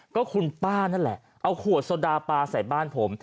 ก็คุณป้านั่นแหละเอาขวดโซดาปลาใส่บ้านผม